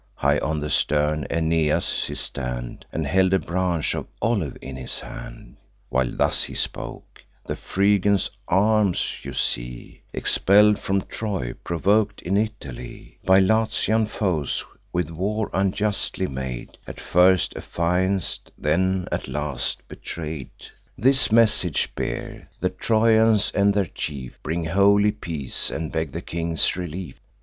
High on the stern Aeneas took his stand, And held a branch of olive in his hand, While thus he spoke: "The Phrygians' arms you see, Expell'd from Troy, provok'd in Italy By Latian foes, with war unjustly made; At first affianc'd, and at last betray'd. This message bear: 'The Trojans and their chief Bring holy peace, and beg the king's relief.